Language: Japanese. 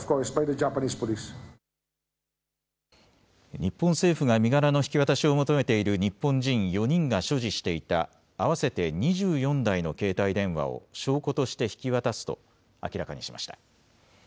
日本政府が身柄の引き渡しを求めている日本人４人が所持していた合わせて２４台の携帯電話を証拠として引き渡すと明らかにしました。